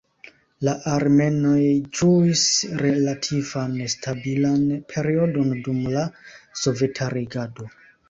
La armenoj ĝuis relativan stabilan periodon dum la soveta regado.